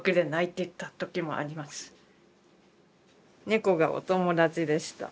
猫がお友達でした。